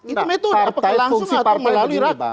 nah partai langsung atau melalui rakyat